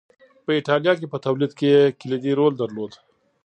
په اېټالیا کې په تولید کې یې کلیدي رول درلود